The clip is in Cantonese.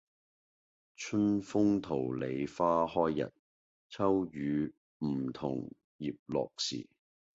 春風桃李花開日，秋雨梧桐葉落時。